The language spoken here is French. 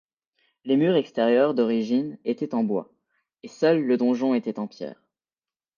Les murs extérieurs d'origine étaient en bois, et seul le donjon était en pierre.